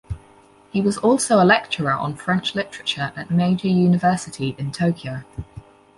He was also a lecturer on French literature at Meiji University in Tokyo.